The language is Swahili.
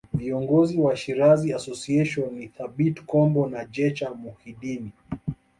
Viongozi wa Shirazi Association ni Thabit Kombo na Jecha Muhidini